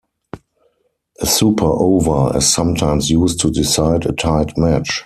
A Super Over is sometimes used to decide a tied match.